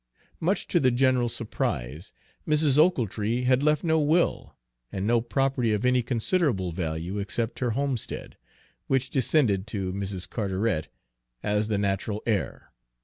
Much to the general surprise, Mrs. Ochiltree had left no will, and no property of any considerable value except her homestead, which descended to Mrs. Carteret as the natural heir.